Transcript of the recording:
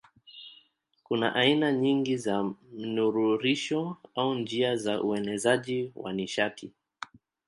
Kuna aina nyingi za mnururisho au njia za uenezaji wa nishati.